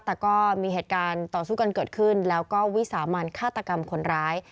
แต่ก็มีเหตุการณ์ต่อสู้กันเกิดขึ้นแล้วก็วิสามันฆาตกรรมคนร้าย